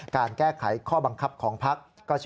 การแก้ไขข้อบังคับของพัก